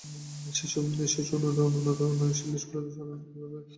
শিশু, পশু এবং অনুন্নত ও উন্নয়নশীল দেশগুলিতে সাধারণভাবে এভাবে বহু রোগের সংবহন ঘটে থাকে।